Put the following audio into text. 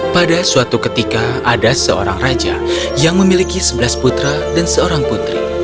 pada suatu ketika ada seorang raja yang memiliki sebelas putra dan seorang putri